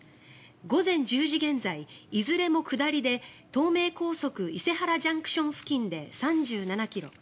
午前１０時現在いずれも下りで東名高速、伊勢原ＪＣＴ付近で３７ｋｍ